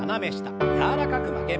柔らかく曲げます。